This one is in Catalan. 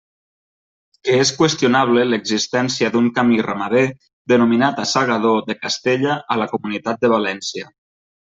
Que és qüestionable l'existència d'un camí ramader denominat assagador de Castella a la Comunitat de València.